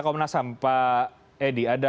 komnas ham pak edi ada